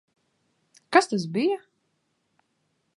Kas tas bija?